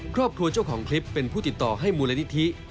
เจ้าของคลิปเป็นผู้ติดต่อให้มูลนิธิ